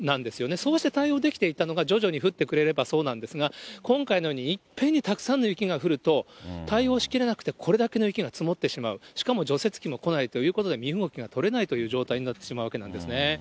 そうして対応できていたのが、徐々に降ってくれればそうなんですが、今回のようにいっぺんにたくさんの雪が降ると、対応しきれなくて、これだけの雪が積もってしまう、しかも除雪機も来ないということで、身動きが取れないという状態になってしまうということなんですね。